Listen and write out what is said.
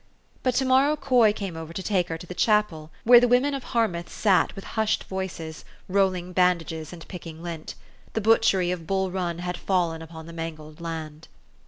But to morrow Coy came over to take her to the chapel, where the women of Harmouth sat with hushed voices, rolling bandages and picking lint. The butchery of Bull Run had fallen upon the man gled land.